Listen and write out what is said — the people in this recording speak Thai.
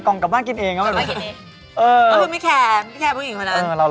ก้อนบ้านกินเองเลย